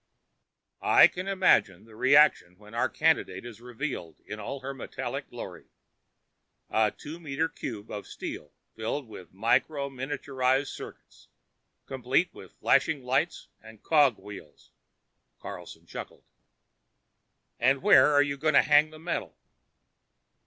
"I can imagine the reaction when our candidate is revealed in all her metallic glory. A two meter cube of steel filled with microminiaturized circuits, complete with flashing lights and cogwheels," Carlstrom chuckled. "And where are you going to hang the medal?"